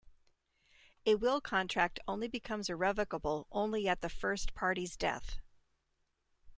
A will contract only becomes irrevocable only at the first party's death.